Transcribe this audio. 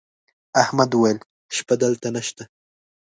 احمد وويل: شپه دلته نشته.